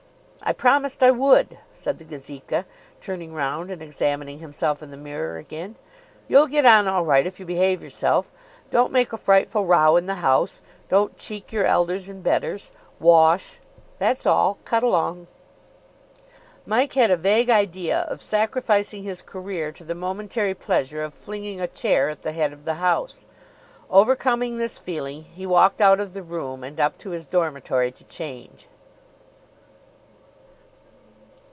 "I promised I would," said the Gazeka, turning round and examining himself in the mirror again. "You'll get on all right if you behave yourself. Don't make a frightful row in the house. Don't cheek your elders and betters. Wash. That's all. Cut along." Mike had a vague idea of sacrificing his career to the momentary pleasure of flinging a chair at the head of the house. Overcoming this feeling, he walked out of the room, and up to his dormitory to change.